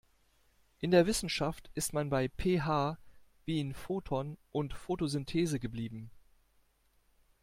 In der Wissenschaft ist man bei P H wie in Photon und Photosynthese geblieben.